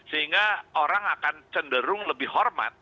sehingga orang akan cenderung lebih hormat